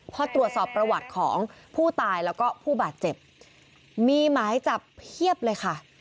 พอตรวจสอบประวัติของผู้ตายแล้วก็ผู้บาดเจ็บมีหมายจับเพียบเลยค่ะ